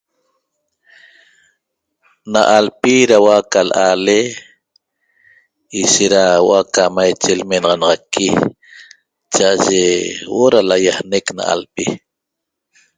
Na alpi da huo'o aca l'aale ishet da huo'o aca maiche lmenaxanaxaqui cha'aye huo'o da laýajnec na alpi